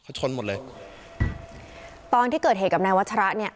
เขาชนหมดเลยตอนที่เกิดเหตุกับนายวัชระเนี่ย